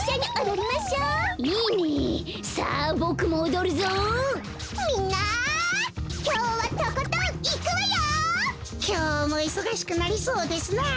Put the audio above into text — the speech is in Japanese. きょうもいそがしくなりそうですなあ。